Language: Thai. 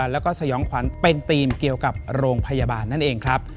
แล้วก็สยองขวัญเป็นธีมเกี่ยวกับโรงพยาบาลนั่นเองครับ